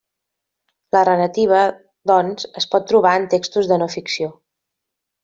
La narrativa, doncs, es pot trobar en textos de no ficció.